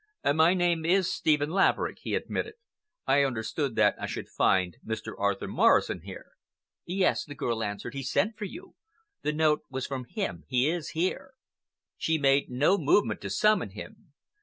"My name is Stephen Laverick," he admitted. "I understood that I should find Mr. Arthur Morrison here." "Yes," the girl answered, "he sent for you. The note was from him. He is here." She made no movement to summon him.